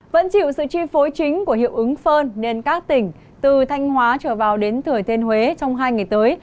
vẫn chịu sự chi phối chính của hiệu ứng phơn nên các tỉnh từ thanh hóa trở vào đến thừa thiên huế trong hai ngày tới